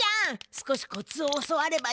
少しコツを教わればその。